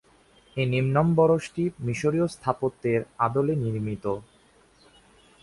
এর নিম্নম্বরশটি মিশরীয় স্থাপত্যের আদলে নির্মিত।